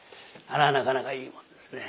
あれはなかなかいいもんですね。